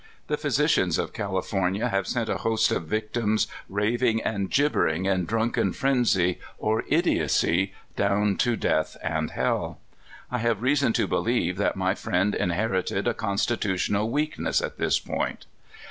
The physicians of California have sent a host of victims raving and gibbering in drunken frenzy or idiocy down to death and hell ! I have reason to believe that rny friend inherited a constitutional weakness at this point.